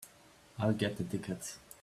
I'll get the tickets.